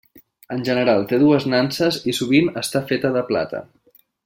En general, té dues nanses i sovint està feta de plata.